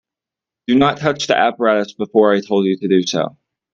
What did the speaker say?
Do not touch the apparatus before I told you to do so.